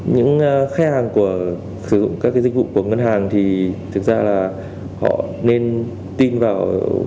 những khách hàng của sử dụng các cái dịch vụ của ngân hàng thì thực ra là họ nên tin vào